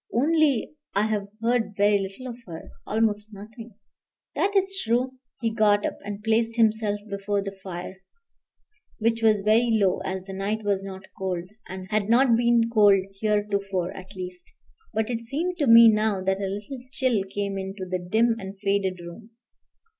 Only I have heard very little of her almost nothing." "That is true." He got up and placed himself before the fire, which was very low, as the night was not cold had not been cold heretofore at least; but it seemed to me now that a little chill came into the dim and faded room.